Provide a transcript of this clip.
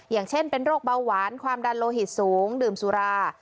อย่างเช่นเป็นโรคเบาหวานความดันโลหิตสูงดื่มสุรา